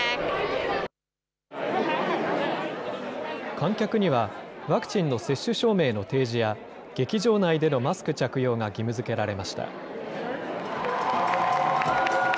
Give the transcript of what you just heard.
観客にはワクチンの接種証明の提示や、劇場内でのマスク着用が義務づけられました。